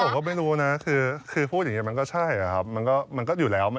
ผมก็ไม่รู้นะคือพูดอย่างนี้มันก็ใช่ครับมันก็อยู่แล้ว